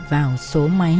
vào số máy